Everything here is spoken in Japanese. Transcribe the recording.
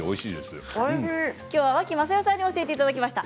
きょうは脇雅世さんに教えていただきました。